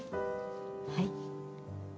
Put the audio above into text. はい。